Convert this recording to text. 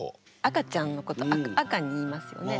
赤ちゃんのこと赤に言いますよね。